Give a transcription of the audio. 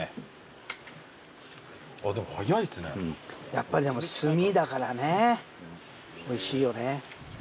やっぱりでも炭だからねおいしいよね。